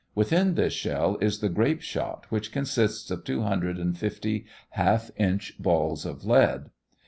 Within this shell is the grape shot, which consists of two hundred and fifty half inch balls of lead.